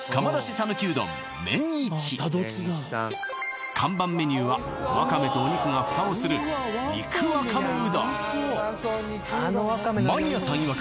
さぬきうどんめん一看板メニューはわかめとお肉が蓋をする肉わかめうどんマニアさんいわく